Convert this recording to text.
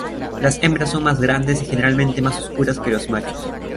Las hembras son más grandes y generalmente más oscuras que los machos.